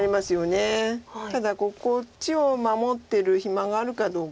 ただこっちを守ってる暇があるかどうか。